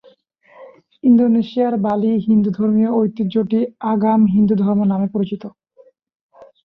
ইন্দোনেশিয়ার বালি হিন্দু ধর্মীয় ঐতিহ্যটি ‘আগম হিন্দুধর্ম’ নামে পরিচিত।